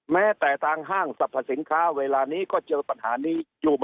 แม้แต่ทางห้างสรรพสินค้าเวลานี้ก็เจอปัญหานี้อยู่